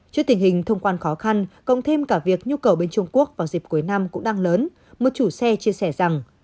trước tình hình thông quan khó khăn cộng thêm cả việc nhu cầu bên trung quốc vào dịp cuối năm cũng đang lớn một chủ xe chia sẻ rằng